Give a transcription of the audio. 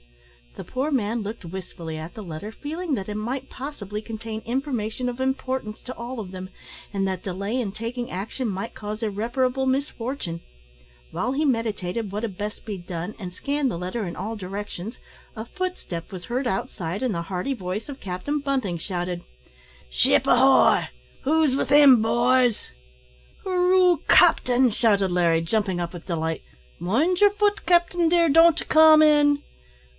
The poor man looked wistfully at the letter, feeling that it might possibly contain information of importance to all of them, and that delay in taking action might cause irreparable misfortune. While he meditated what had best be done, and scanned the letter in all directions, a footstep was heard outside, and the hearty voice of Captain Bunting shouted: "Ship ahoy! who's within, boys!" "Hooroo! capting," shouted Larry, jumping up with delight; "mind yer fut, capting, dear; don't come in."